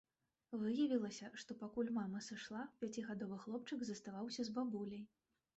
Выявілася, што пакуль мама сышла, пяцігадовы хлопчык заставаўся з бабуляй.